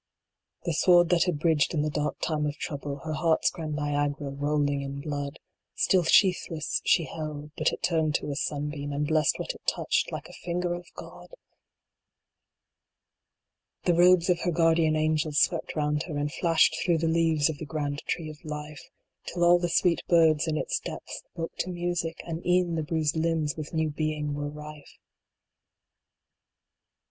The sword that had bridged in the dark time of trouble, Her heart s grand Niagara rolling in blood ; Still sheathless she held ; but it turned to a sunbeam, And blessed what it touched, like a finger of God ! Tne robes of her guardian Angels swept round her, And flashed through the leaves of the grand Tree of Life, Till all the sweet birds in its depths woke to music, And e en the bruised limbs with new being were rife.